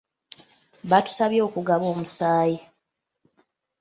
Baatusabye okugaba omusaayi.